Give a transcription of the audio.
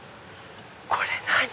これ何？